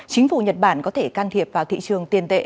chính phủ nhật bản có thể can thiệp vào thị trường tiền tệ